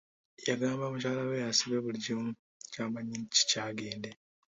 Yagamba mukyala we asibe buli kimu ky'amanyi nti kikye agende.